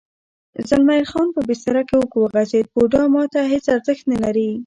زلمی خان په بستره کې اوږد وغځېد: بوډا ما ته هېڅ ارزښت نه لري.